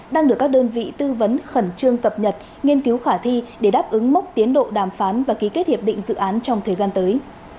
đang được các đơn vị tư vấn khẩn trương cập nhật nghiên cứu khả thi để đáp ứng mốc tiến độ đàm phán và ký kết hiệp định dự án trong thời gian tới